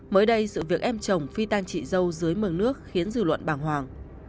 mới đây sự việc em chồng phi tan chị dâu dưới mường nước khiến dư luận bàng hoàng